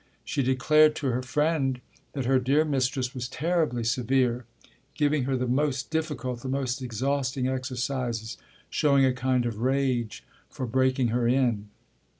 She declared to her friend that her dear mistress was terribly severe, giving her the most difficult, the most exhausting exercises, showing a kind of rage for breaking her in.